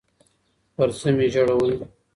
پـر څه مـي ژړوې